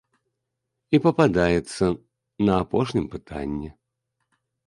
І пападаецца на апошнім пытанні.